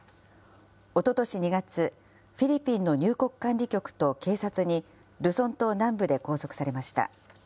おととし２月、フィリピンの入国管理局と警察に、ルソン島南部で拘束されました。